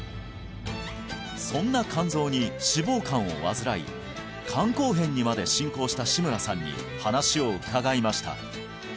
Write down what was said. そんな肝臓に脂肪肝を患い肝硬変にまで進行した志村さんに話を伺いました